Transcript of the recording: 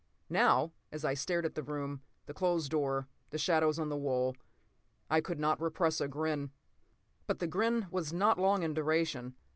Now, as I stared at the room, the closed door, the shadows on the wall, I could not repress a grin. But the grin was not long in duration.